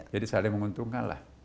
jadi saling menguntungkan lah